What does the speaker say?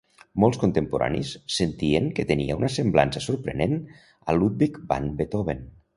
Molts contemporanis sentien que tenia una semblança sorprenent a Ludwig van Beethoven.